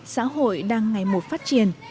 xã hội đang ngày một phát triển